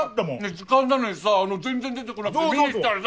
時間なのにさ全然出てこなくて見に行ったらさ。